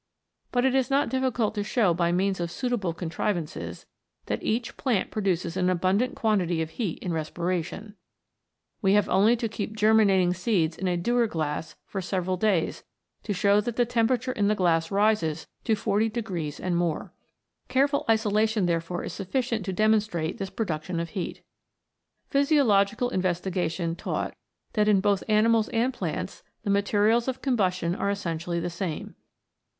But it is not difficult to show by means of suitable contrivances that each plant produces an abundant quantity of heat in respiration. We only have to keep germinating seeds in a Dewar glass for several days to show that the temperature in the glass rises to 40 degrees and more. Careful isolation therefore is sufficient to demonstrate this production of heat. Physiological investiga tion taught that in both animals and plants the materials of combustion are essentially the same.